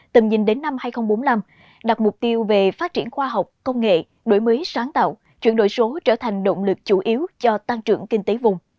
tầm nhìn đến năm hai nghìn bốn mươi năm đặt mục tiêu về phát triển khoa học công nghệ đổi mới sáng tạo chuyển đổi số trở thành động lực chủ yếu cho tăng trưởng kinh tế vùng